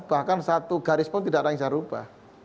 bahkan satu garis pun tidak ada yang bisa rubah